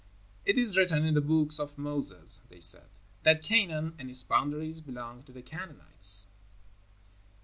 "It is written in the Books of Moses," they said, "that Canaan and its boundaries belong to the Canaanites."